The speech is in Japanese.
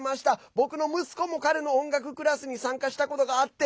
僕の息子も彼の音楽クラスに参加したことがあって